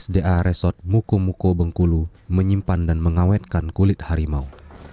sudah lima belas tahun bksda resort muko muko bengkulu menyimpan dan mengawetkan kulit harimau